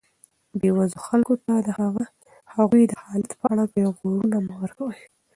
بېوزلو خلکو ته د هغوی د حالت په اړه پېغورونه مه ورکوئ.